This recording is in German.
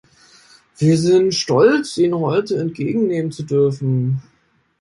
Wir sind stolz, ihn heute entgegennehmen zu dürfen.